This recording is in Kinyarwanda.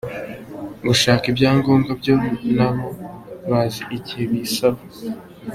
Gushaka ibyangombwa byo na bo bazi igihe bisaba”.